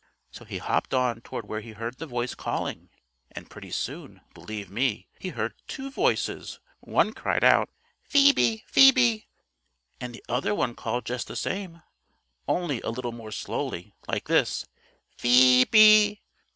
So he hopped on toward where he heard the voice calling, and pretty soon, believe me, he heard two voices. One cried out: "Phoebe! Phoebe!" And the other one called just the same, only a little more slowly, like this: "Phoe be!